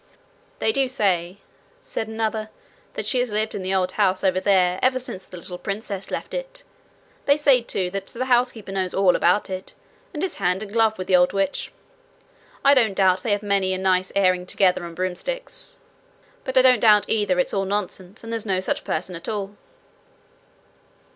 'They do say,' said another, 'that she has lived in the old house over there ever since the little princess left it. They say too that the housekeeper knows all about it, and is hand and glove with the old witch. I don't doubt they have many a nice airing together on broomsticks. But I don't doubt either it's all nonsense, and there's no such person at all.'